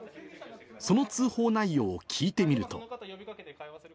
その通報内容を聞いてみると。